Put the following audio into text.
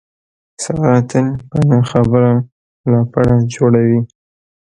ساره تل په نه خبره لپړه جوړوي.